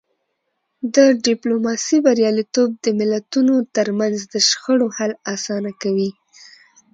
د ډیپلوماسی بریالیتوب د ملتونو ترمنځ د شخړو حل اسانه کوي.